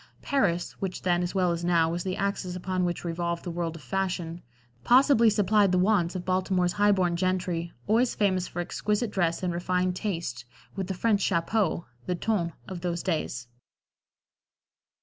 Paris (which then, as well as now, was the axis upon which revolved the world of fashion) possibly supplied the wants of Baltimore's highborn gentry, always famous for exquisite dress and refined taste, with the French chapeau the ton of those days.